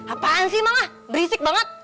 apaan sih malah berisik banget